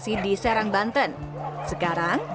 kemudianlla comelotnya selaku